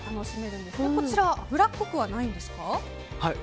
脂っこくはないんですか？